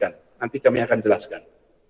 nanti kami akan jelaskan